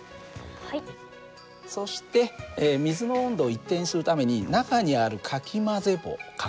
そして水の温度を一定にするために中にあるかき混ぜ棒かくはん棒だね